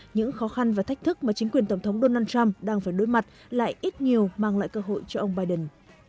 những khó khăn và thách thức mà chính quyền tổng thống donald trump đang phải đối mặt lại ít nhiều mang lại cơ hội cho ông biden